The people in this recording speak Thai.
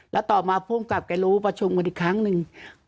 แล้วต่อมาภูมิกับแกรู้ประชุมกันอีกครั้งหนึ่ง